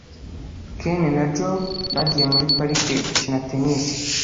ken na joe bagiye muri parike gukina tennis